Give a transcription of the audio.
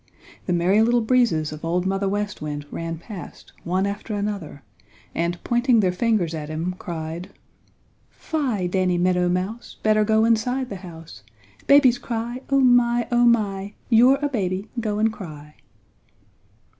The Merry Little Breezes of Old Mother West Wind ran past, one after another, and pointing their fingers at him cried: "Fie, Danny Meadow Mouse! Better go inside the house! Babies cry oh my! oh my! You're a baby go and cry!"